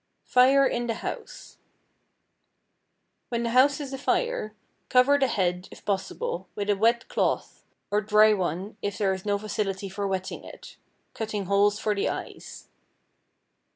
=Fire in the House.= When the house is afire cover the head, if possible, with a wet cloth, or dry one if there is no facility for wetting it, cutting holes for the eyes.